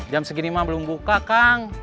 jam segini mah belum buka kang